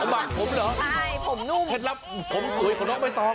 พอหม่ำผมเหรอเพชรลับผมสวยของน้องไม่ต้อง